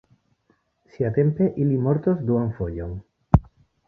Siatempe ili mortos duan fojon.